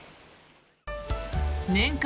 年間